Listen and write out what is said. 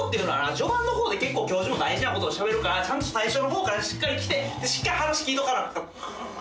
序盤のほうで結構教授も大事なことをしゃべるからちゃんと最初のほうからしっかり来て話聞いとかな。